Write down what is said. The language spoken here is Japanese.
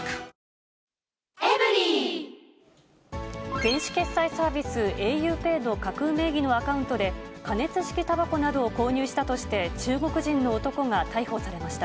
電子決済サービス、ａｕＰＡＹの架空名義のアカウントで、加熱式たばこなどを購入したとして、中国人の男が逮捕されました。